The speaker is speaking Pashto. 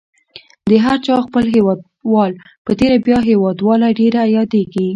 د هر چا خپل هیوادوال په تېره بیا هیوادواله ډېره یادیږي.